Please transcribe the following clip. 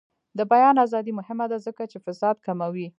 د بیان ازادي مهمه ده ځکه چې فساد کموي.